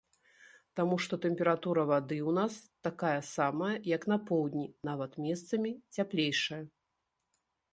Таму што тэмпература вады ў нас такая самая, як на поўдні, нават месцамі цяплейшая.